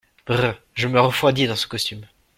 Brrr !… je me refroidis dans ce costume…